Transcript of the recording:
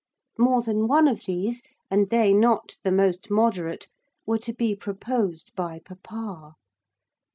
More than one of these, and they not the most moderate, were to be proposed by papa.